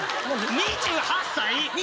２８歳！